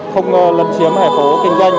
không lật chiếm hải phố kinh doanh